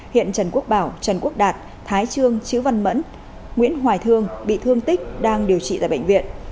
hiện trần quốc bảo trần quốc đạt thái trương chữ văn mẫn nguyễn hoài thương bị thương tích đang điều trị tại bệnh viện